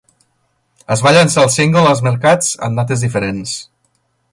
Es va llançar el single als mercats en dates diferents.